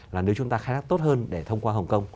là nếu chúng ta khai thác tốt hơn để thông qua hồng kông